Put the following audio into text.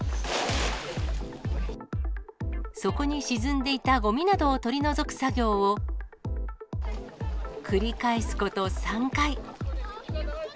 底に沈んでいたごみなどを取り除く作業を繰り返すこと３回。